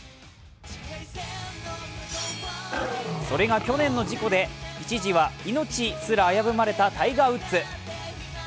それが去年の事故で一時は命すら危ぶまれたタイガー・ウッズ。